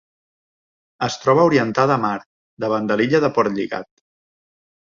Es troba orientada a mar, davant de l'illa de Portlligat.